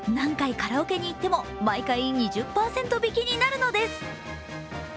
カラオケに行っても毎回２０％引きになるのです。